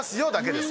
です